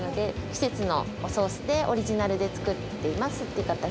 季節のおソースで、オリジナルで作っていますっていう形。